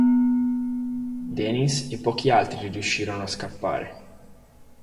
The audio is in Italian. Denys e pochi altri riuscirono a scappare.